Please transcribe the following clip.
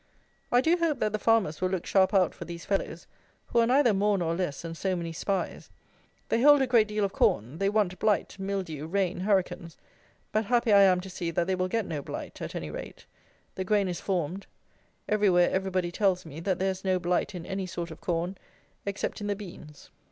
I do hope that the farmers will look sharp out for these fellows, who are neither more nor less than so many spies. They hold a great deal of corn; they want blight, mildew, rain, hurricanes; but happy I am to see that they will get no blight, at any rate. The grain is formed; everywhere everybody tells me that there is no blight in any sort of corn, except in the beans.